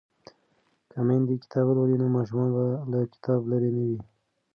که میندې کتاب ولولي نو ماشومان به له کتابه لرې نه وي.